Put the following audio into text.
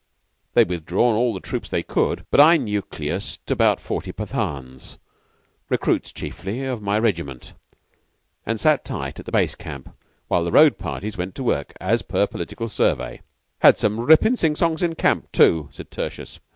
They'd withdrawn all the troops they could, but I nucleused about forty Pathans, recruits chiefly, of my regiment, and sat tight at the base camp while the road parties went to work, as per Political survey." "Had some rippin' sing songs in camp, too," said Tertius.